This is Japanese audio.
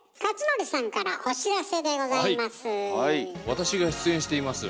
私が出演しています